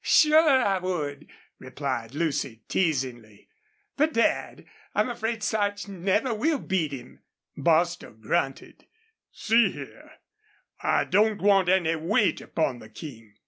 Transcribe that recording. "Sure I would," replied Lucy, teasingly. "But, Dad, I'm afraid Sarch never will beat him." Bostil grunted. "See here. I don't want any weight up on the King.